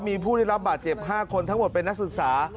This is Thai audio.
มีผู้ได้รับบาดเจ็บ๕คนทั้งหมดเป็นนักศึกษา